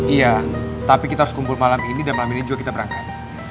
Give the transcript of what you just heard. iya tapi kita harus kumpul malam ini dan malam ini juga kita berangkat